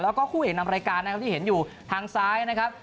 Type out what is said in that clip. แล้วก็คู่เอกนำรายการนะครับที่เห็นอยู่ทางซ้ายนะครับ